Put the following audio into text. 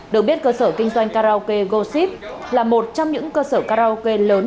được biết cơ sở kinh doanh karaoke goshi là một trong những cơ sở karaoke lớn